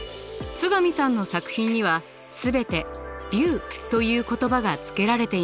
津上さんの作品には全て「Ｖｉｅｗ」という言葉がつけられています。